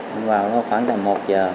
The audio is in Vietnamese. em vào khoảng tầm một h